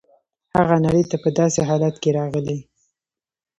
هغه نړۍ ته په داسې حالت کې راغلی.